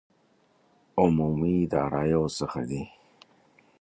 عمومي داراییو څخه دي.